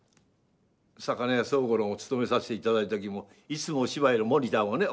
「魚屋宗五郎」をつとめさしていただいた時もいつもお芝居のモニターをね。